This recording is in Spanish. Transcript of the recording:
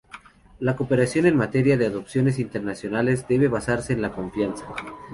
La cooperación en materia de adopciones internacionales debe basarse en la confianza.